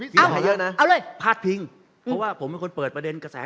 พี่ปุ่นเดี๋ยวก่อนเดี๋ยวเห็นแล้วเห็นแล้ว